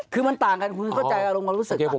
คือมันต่างกันคุณเข้าใจอารมณ์ความรู้สึกคุณ